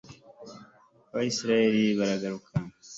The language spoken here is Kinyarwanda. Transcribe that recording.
abayisraheli baragaruka